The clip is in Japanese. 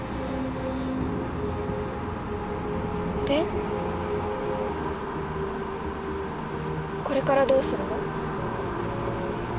でこれからどうするの？